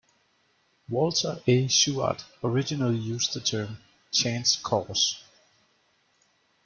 Walter A. Shewhart originally used the term "chance cause".